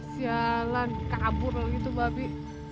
sialan kabur begitu babi